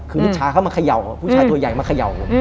คือมิชชาเขามาขยัว๕๐คนมาขยัว